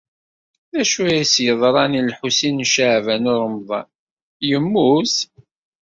D acu ay as-yeḍran i Lḥusin n Caɛban u Ṛemḍan? Yemmut?